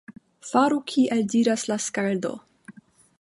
Faru kiel diras la skaldo!